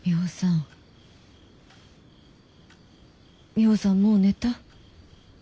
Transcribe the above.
ミホさんもう寝た？